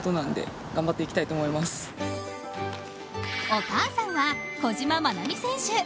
お母さんは、小島満菜美選手。